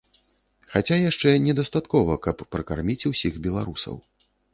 Хаця яшчэ недастаткова, каб пракарміць усіх беларусаў.